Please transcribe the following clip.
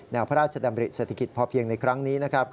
พระราชดำริเศรษฐกิจพอเพียงในครั้งนี้นะครับ